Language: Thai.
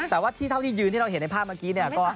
แต่ว่าที่เท่าที่ยืนที่เราเห็นในภาพเมื่อกี้เนี่ย